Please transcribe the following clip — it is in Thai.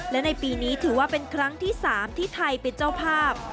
และในปีนี้ถือว่าเป็นครั้งที่๓ที่ไทยเป็นเจ้าภาพ